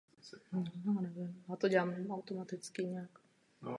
Následuje po čísle osm set sedmnáct a předchází číslu osm set devatenáct.